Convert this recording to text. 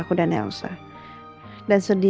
masa udah cerita tentang kasus keselamatan